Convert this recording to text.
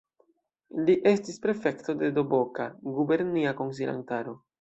Li estis prefekto de Doboka, gubernia konsilantaro.